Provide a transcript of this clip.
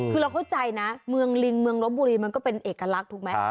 คือเราเข้าใจนะเมืองลิงเมืองลบบุรีมันก็เป็นเอกลักษณ์ถูกไหม